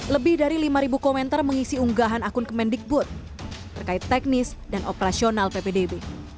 lebih dari lima komentar mengisi unggahan akun kemendikbud terkait teknis dan operasional ppdb